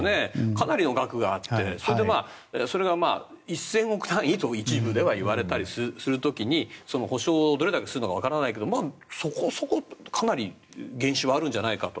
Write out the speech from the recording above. かなりの額があってそれが１０００億円単位と一部では言われたりする時に補償をどれだけするのかわからないけどそこそこ、かなり原資はあるんじゃないかと。